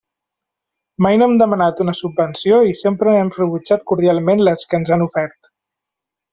Mai no hem demanat una subvenció i sempre hem rebutjat cordialment les que ens han ofert.